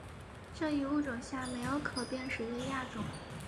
这一物种下没有可辨识的亚种。